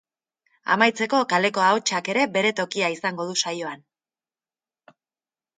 Amaitzeko, kaleko ahotsak ere bere tokia izango du saioan.